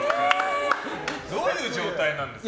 どういう状態なんですか。